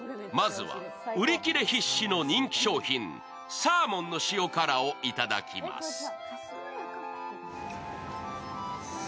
まずは売り切れ必至の人気商品、サーモンの塩辛をいただきます。